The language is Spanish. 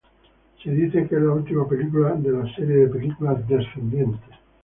Se dice que es la última película de la serie de películas "Descendientes".